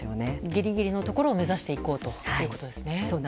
ギリギリのところを目指していこうということですね。